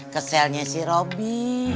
keselnya si robby